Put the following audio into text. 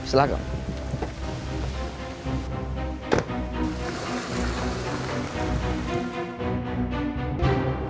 bagus elsa akan masuk bui lagi